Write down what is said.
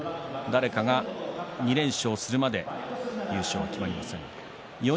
誰かが２連勝するまで優勝は決まりません。